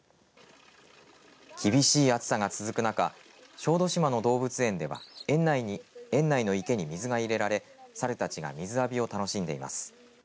厳しい暑さが続く中小豆島の動物園では園内の池に水が入れられ、猿たちが水浴びを楽しんでいます。